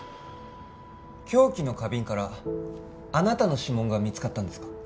凶器の花瓶からあなたの指紋が見つかったんですか？